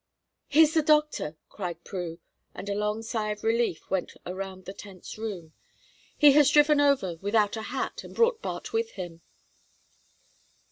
"Here's the doctor," cried Prue, and a long sigh of relief went around the tense room. "He has driven over without a hat, and brought Bart with him."